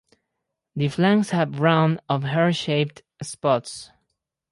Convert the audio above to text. The flanks have round or heart-shaped spots.